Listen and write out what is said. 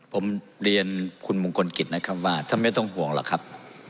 ผมเรียนคุณมุมคลกรกฏว่าถ้าไม่ต้องห่วงหรอกครับ